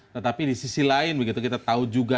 tetapi di sisi lain begitu kita tahu juga